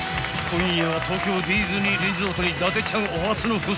［今夜は東京ディズニーリゾートに伊達ちゃんお初のコストコ］